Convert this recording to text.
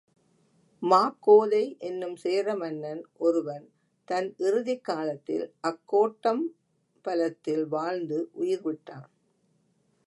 மாக்கோதை என்னும் சேர மன்னன் ஒருவன் தன் இறுதிக்காலத்தில் அக்கோட்டம் பலத்தில் வாழ்ந்து உயிர் விட்டான்.